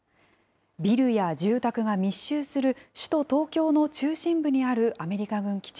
ビルや住宅が密集する首都東京の中心部にあるアメリカ軍基地。